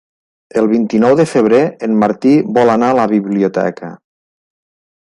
El vint-i-nou de febrer en Martí vol anar a la biblioteca.